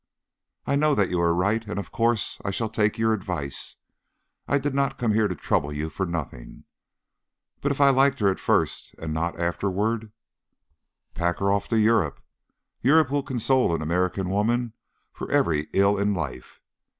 "I know that you are right, and of course I shall take your advice. I did not come here to trouble you for nothing. But if I liked her at first and not afterward " "Pack her off to Europe. Europe will console an American woman for every ill in life.